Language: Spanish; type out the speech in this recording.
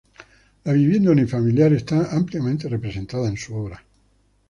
La vivienda unifamiliar está ampliamente representada en su obra.